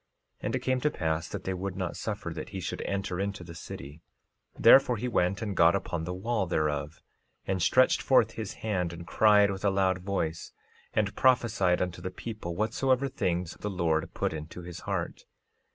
13:4 And it came to pass that they would not suffer that he should enter into the city; therefore he went and got upon the wall thereof, and stretched forth his hand and cried with a loud voice, and prophesied unto the people whatsoever things the Lord put into his heart.